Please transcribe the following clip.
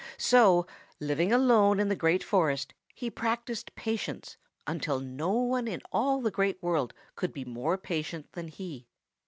So, living alone in the Great Forest, he practised patience until no one in all the Great World could be more patient than he.